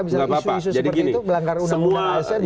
misalnya isu isu seperti itu melanggar undang undang asn